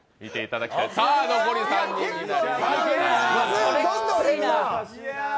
残り３人になりました。